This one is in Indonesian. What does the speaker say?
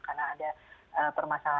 karena ada permasalahan